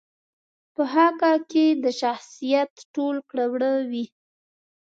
په خاکه کې د شخصیت ټول کړه وړه وي.